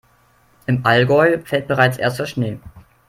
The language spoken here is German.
Im Allgäu fällt bereits erster Schnee.